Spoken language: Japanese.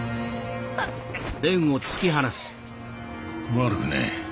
悪くねえ。